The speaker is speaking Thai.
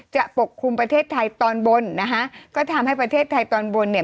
ปกคลุมประเทศไทยตอนบนนะคะก็ทำให้ประเทศไทยตอนบนเนี่ย